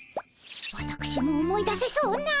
わたくしも思い出せそうな。